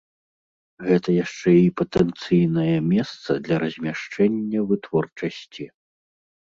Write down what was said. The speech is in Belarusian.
Гэта яшчэ і патэнцыйнае месца для размяшчэння вытворчасці.